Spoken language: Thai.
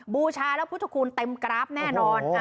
บูชาแล้วพุทธคุณเต็มกราฟแน่นอน